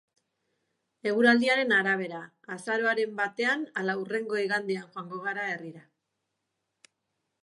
Eguraldiaren arabera, azaroaren batean ala hurrengo igandean joango gara herrira.